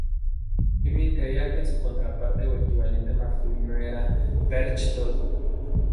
Grimm creía que su contraparte o equivalente masculino era "Berchtold".